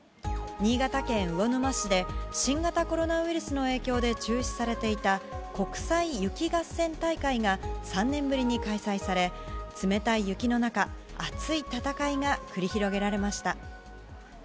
新潟県魚沼市で、新型コロナウイルスの影響で中止されていた国際雪合戦大会が３年ぶりに開催され、冷たい雪の中、熱い戦いが繰り広げられました。